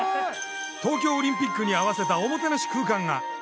東京オリンピックに合わせたおもてなし空間が。